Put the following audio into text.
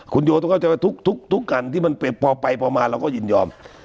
คุณโยต้องเข้าใจว่าทุกอันที่มันพอไปพอมาเราก็ยินยอม